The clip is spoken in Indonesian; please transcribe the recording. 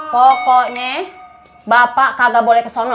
pokoknya bapak kagak boleh kesana